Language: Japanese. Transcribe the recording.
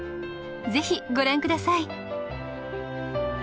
ぜひご覧下さい。